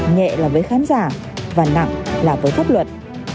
nhẹ là với khán giả và nặng là với pháp luật